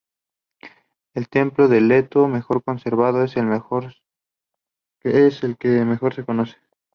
El templo de Leto, mejor conservado, es el que mejor se conoce.